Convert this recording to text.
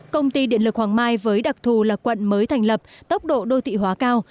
công ty điện lực hoàng mai với đặc thù là quận mới thành lập tốc độ đô thị hóa cao